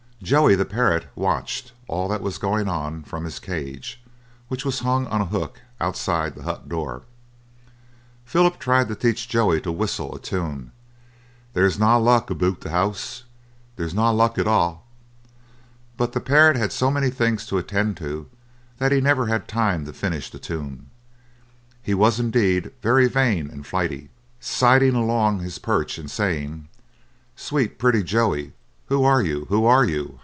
Joey, the parrot, watched all that was going on from his cage, which was hung on a hook outside the hut door. Philip tried to teach Joey to whistle a tune: "There is na luck aboot the hoose, There is na luck at a'," but the parrot had so many things to attend to that he never had time to finish the tune. He was, indeed, very vain and flighty, sidling along his perch and saying: "Sweet pretty Joey, who are you, who are you?